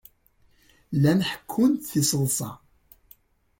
Llan ḥekkun-d tiseḍsa.